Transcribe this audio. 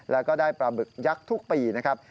แล้วก็ได้ปลาหมึกยักษ์ทุกปีนะครับ